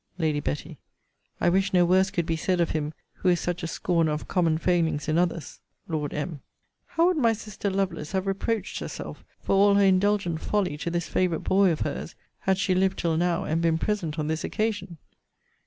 Lady Betty. I wish no worse could be said of him, who is such a scorner of common failings in others. Lord M. How would my sister Lovelace have reproached herself for all her indulgent folly to this favourite boy of her's, had she lived till now, and been present on this occasion!